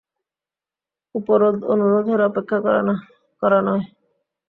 উপরোধ-অনুরোধের অপেক্ষা করা নয়।